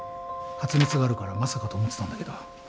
発熱があるからまさかと思ってたんだけど。